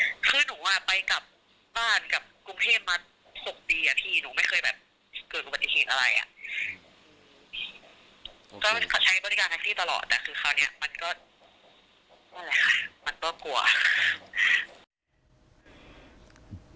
หนูไม่เคยแบบเกิดปฏิเสธอะไรอะก็ใช้พฤติการแท็กซี่ตลอดแต่คือคราวนี้มันก็มันต้องกลัว